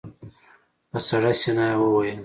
په سړه سينه يې وويل.